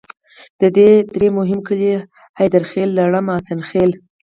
د دې درې مهم کلي حیدرخیل، لړم، حسن خیل.